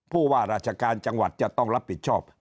ผู้ว่าราชการจังหวัดจะต้องรับผิดชอบ